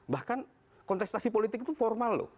bahkan kontestasi politik itu formal loh